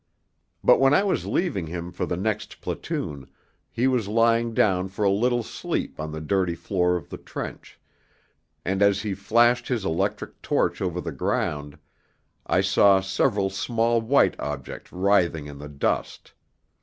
But when I was leaving him for the next platoon, he was lying down for a little sleep on the dirty floor of the trench, and as he flashed his electric torch over the ground, I saw several small white objects writhing in the dust.